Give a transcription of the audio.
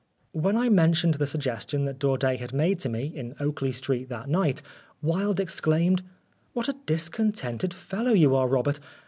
When I mentioned the suggestion that Daudet had made to me, in Oakley Street that night, Wilde exclaimed, " What a dis contented fellow you are, Robert